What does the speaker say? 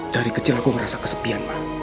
dari kecil aku ngerasa kesepian ma